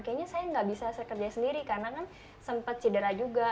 kayaknya saya nggak bisa kerja sendiri karena kan sempat cedera juga